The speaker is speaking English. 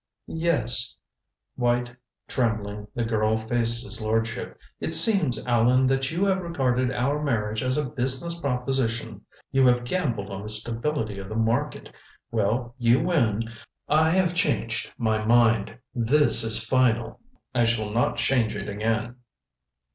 "Yes." White, trembling, the girl faced his lordship. "It seems, Allan, that you have regarded our marriage as a business proposition. You have gambled on the stability of the market. Well, you win. I have changed my mind. This is final. I shall not change it again."